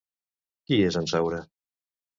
Qui és en Saura?